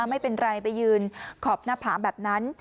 ไม่เป็นไรไปยืนขอบหน้าผาแบบนั้น